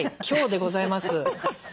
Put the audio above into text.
「強」でございます。